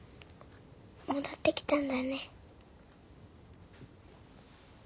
戻ってきたんだね。